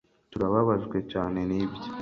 turababajwe cyane nibyo